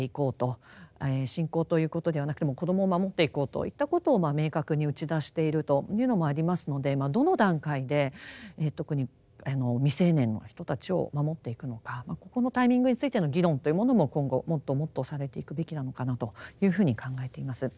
信仰ということではなくてもう子どもを守っていこうといったことを明確に打ち出しているというのもありますのでどの段階で特に未成年の人たちを守っていくのかここのタイミングについての議論というものも今後もっともっとされていくべきなのかなというふうに考えています。